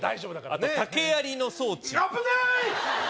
あと竹やりの装置危ない！